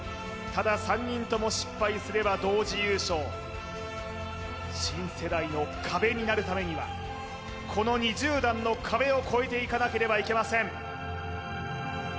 ただ３人とも失敗すれば同時優勝新世代の壁になるためにはこの２０段の壁を越えていかなければいけません